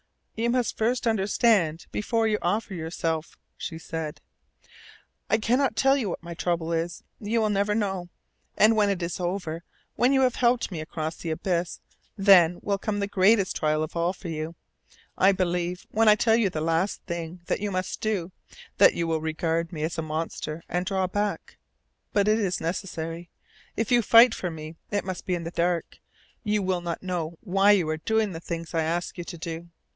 "You must first understand before you offer yourself," she said. "I cannot tell you what my trouble is. You will never know. And when it is over, when you have helped me across the abyss, then will come the greatest trial of all for you. I believe when I tell you that last thing which you must do that you will regard me as a monster, and draw back. But it is necessary. If you fight for me, it must be in the dark. You will not know why you are doing the things I ask you to do.